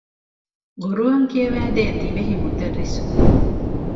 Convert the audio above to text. ޤުރުއާން ކިޔަވައިދޭ ދިވެހި މުދައްރިސު